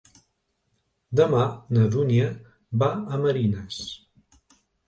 Demà na Dúnia va a Marines.